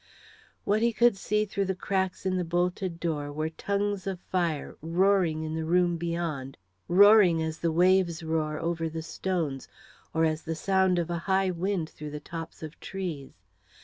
What he could see through the cracks in the bolted door were tongues of fire, roaring in the room beyond roaring as the waves roar over the stones, or as the sound of a high wind through the tops of trees.